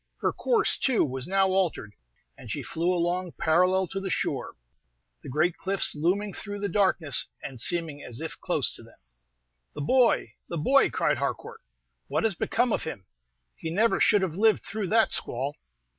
Her course, too, was now altered, and she flew along parallel to the shore, the great cliffs looming through the darkness, and seeming as if close to them. "The boy! the boy!" cried Harcourt; "what has become of him? He never could have lived through that squall."